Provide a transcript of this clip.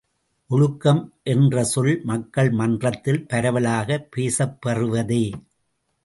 ஒழுக்கம் என்றசொல் மக்கள் மன்றத்தில் பரவலாகப் பேசப் பெறுவதே.